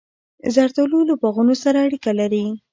زردالو له باغونو سره اړیکه لري.